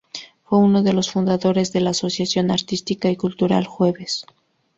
Fue uno de los fundadores de la Asociación Artística y Cultural Jueves.